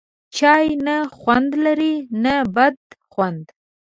چای، نه خوند لري نه بد خوند